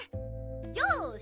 よし！